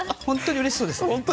本当にうれしそうですね。